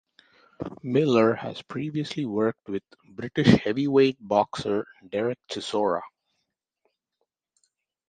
Miller has previously worked with British heavyweight boxer Derek Chisora.